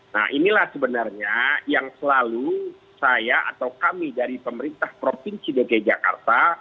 nah inilah sebenarnya yang selalu saya atau kami dari pemerintah provinsi dki jakarta